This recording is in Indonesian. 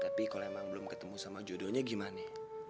tapi kalau emang belum ketemu sama jodohnya gimana